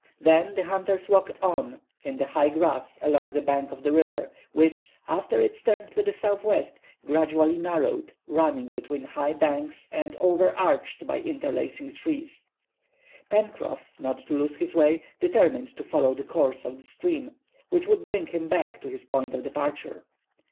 Then the hunters walked on in the high grass along the bank of the river, which, after its turn to the southwest, gradually narrowed, running between high banks and over arched by interlacing trees. Pencroff, not to lose his way, determined to follow the course of the stream, which would bring him back to his point of departure.